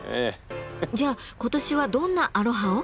じゃあ今年はどんなアロハを？